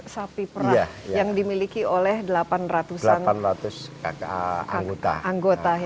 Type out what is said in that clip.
sembilan ratus dua belas sapi perah yang dimiliki oleh delapan ratus anggota